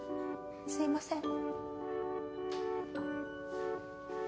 すいません。